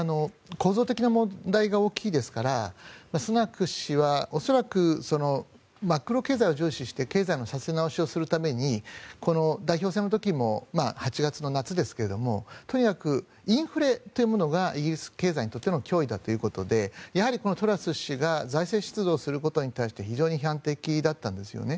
構造的な問題が大きいですからスナク氏は恐らくマクロ経済を重視して経済の立て直しをするためにこの代表選の時も８月の夏ですがとにかくインフレというものがイギリス経済にとっての脅威だということでトラス氏が財政出動することに対して非常に批判的だったんですね。